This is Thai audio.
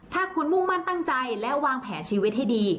ถ้าคุณมุ่งมั่นตั้งใจและวางแผนชีวิตให้ดี